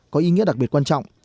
có ý nghĩa đặc biệt quan trọng